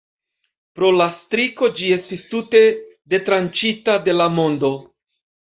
Pro la striko ĝi estis tute detranĉita de la mondo.